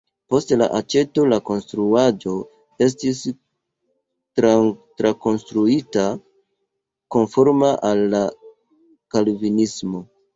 Post la aĉeto la konstruaĵo estis trakonstruita konforma al la kalvinismo.